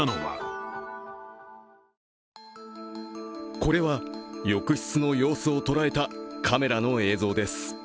これは浴室の様子を捉えたカメラの映像です。